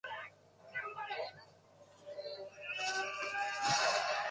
落ち着きがないこと。早口でしゃべり、あわてた顔つきをすること。